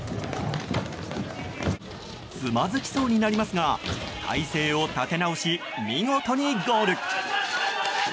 つまずきそうになりますが体勢を立て直し見事にゴール。